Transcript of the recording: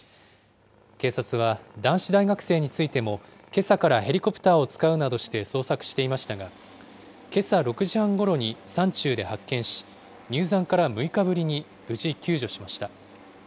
警察は男子大学生についても、けさからヘリコプターを使うなどして捜索していましたが、けさ６時半ごろに山中で発見し、入山から６日ぶりに無事救助しました。